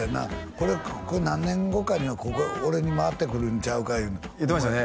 これ何年後かには俺に回ってくるんちゃうかいうの言ってましたね